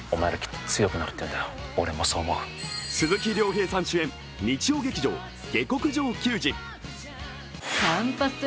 鈴木亮平さん主演日曜劇場「下剋上球児」。